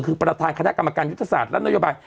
คือประธานคณะกรรมการยุทธศาสตร์และนโยบาย